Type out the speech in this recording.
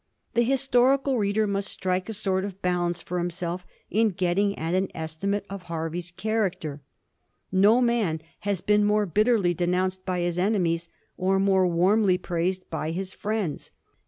The historical reader must strike a sort of balance for himself in getting at an estimate of Hervey's character. No man has been more bitterly denounced by his enemies or more warmly praised by his friends.